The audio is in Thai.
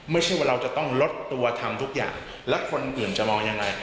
ไม่ใช่ว่าเราจะต้องลดตัวทำทุกอย่างแล้วคนอื่นจะมองยังไง